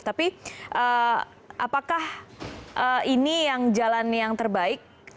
tapi apakah ini yang jalan yang terbaik